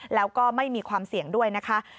แล้วก็ไม่มีความเสี่ยงด้วยนะคะ